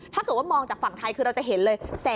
ถ้าเกิดว่ามองจากฝั่งไทยคือเราจะเห็นเลย